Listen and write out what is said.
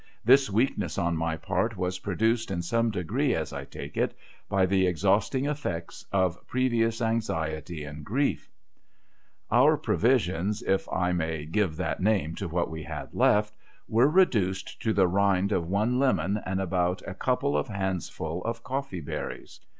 This weakness on my part was produced in some degree, as I take it, by the exhausting eftects of previous anxiety and grief. Our provisions— if I may give that name to what we had left were reduced to the rind of one lemon and about a couple of COMPANIONS IN MISFORTUNE 137 handsfuU of coffee berries.